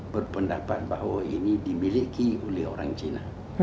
berpendapat bahwa ini dimiliki orang melayu